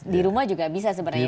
di rumah juga bisa sebenarnya